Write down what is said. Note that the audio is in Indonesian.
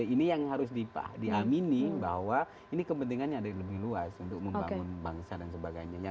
ini yang harus diamini bahwa ini kepentingannya lebih luas untuk membangun bangsa dan sebagainya